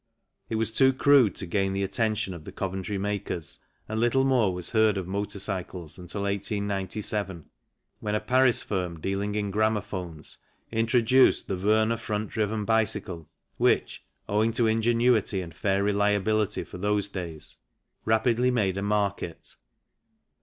It was too crude to gain the attention of the Coventry makers and little more was heard of motor cycles until 1897, when a Paris firm dealing in gramophones introduced the Werner front driven bicycle which, owing to ingenuity and fair reliability for those days, rapidly made a market.